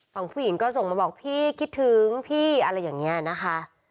ฝั่งผู้หญิงก็ส่งมาบอกพี่คิดถึงพี่อะไรอย่างนี้นะคะ